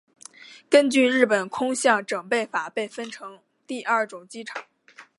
根据日本空港整备法被分成第二种机场。